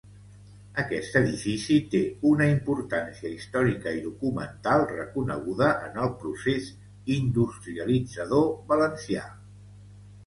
Aquest edifici té una importància històrica i documental reconeguda en el procés industrialitzador valencià.